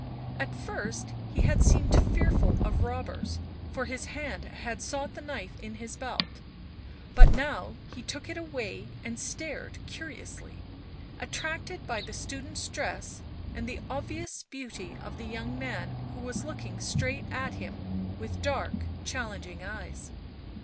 At first he had seemed fearful of robbers, for his hand had sought the knife in his belt; but now he took it away and stared curiously, attracted by the student's dress and the obvious beauty of the young man who was looking straight at him with dark, challenging eyes.